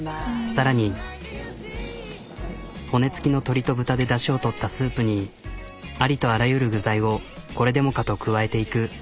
さらに骨付きの鶏と豚でダシをとったスープにありとあらゆる具材をこれでもかと加えていく。